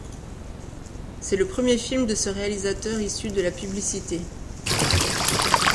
C'est le premier film de ce réalisateur issu de la publicité.